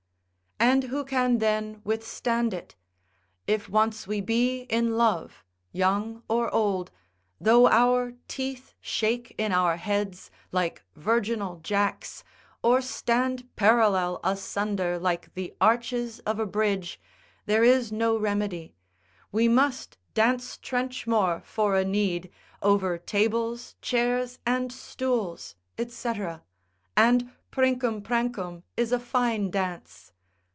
And who can then withstand it? If once we be in love, young or old, though our teeth shake in our heads, like virginal jacks, or stand parallel asunder like the arches of a bridge, there is no remedy, we must dance trenchmore for a need, over tables, chairs, and stools, &c. And princum prancum is a fine dance.